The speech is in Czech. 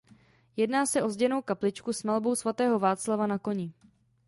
Jedná se o zděnou kapličku s malbou svatého Václava na koni.